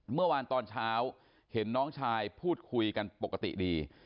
เมื่อวานตอนเช้าเห็นน้องชายพูดคุยกันปกติดี